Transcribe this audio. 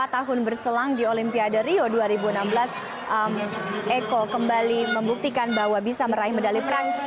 lima tahun berselang di olimpiade rio dua ribu enam belas eko kembali membuktikan bahwa bisa meraih medali perang